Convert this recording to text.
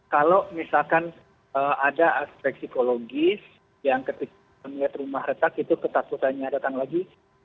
kalau misalkan ada aspek psikologis yang ketika kita melihat rumah retak itu ketakutannya datang lagi